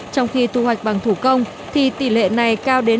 trong khi thu hoạch bằng thủ công thì tỷ lệ này cao đến một mươi ba